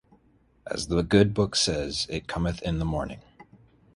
As the Good Book says, it cometh in the morning.